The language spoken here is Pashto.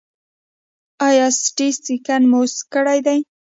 ایا سټي سکن مو کړی دی؟